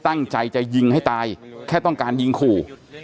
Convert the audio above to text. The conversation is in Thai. ตั้งใจจะยิงให้ตายแค่ต้องการยิงขู่